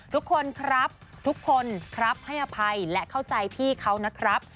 ทุกคนครับทุกคนครับให้อภัยและเข้าใจพี่เขานะครับ